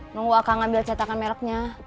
nunggu akan ngambil cetakan mereknya